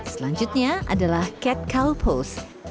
selanjutnya adalah cat cow pose